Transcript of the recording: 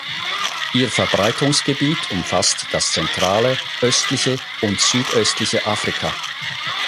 Ihr Verbreitungsgebiet umfasst das zentrale, östliche und südöstliche Afrika.